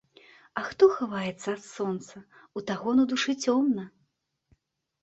А хто хаваецца ад сонца, у таго на душы цёмна.